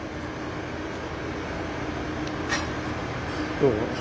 どう？